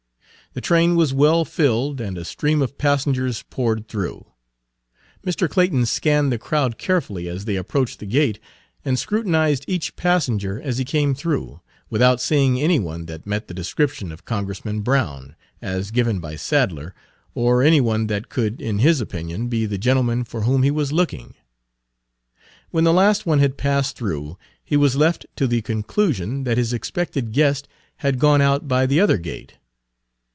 The train was well filled and a stream of passengers poured through. Mr. Clayton scanned the crowd carefully as they approached the gate, and scrutinized each passenger as he came through, without seeing any one that met the description of Congressman Brown, as given by Sadler, or any one that could in his opinion be the gentleman for whom he was looking. When the last one had passed through he was left to the conclusion that his expected guest had gone out by the other gate.